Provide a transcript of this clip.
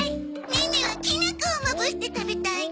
ネネはきな粉をまぶして食べたいな。